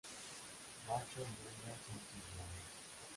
Macho y hembra son similares.